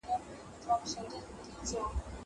امادګي وکړه.